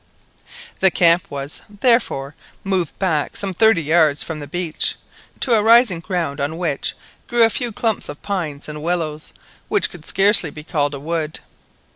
The camp was, therefore, moved back some thirty yards from the beach, to a rising ground on which grew a few clumps of pines and willows which could scarcely be called a wood.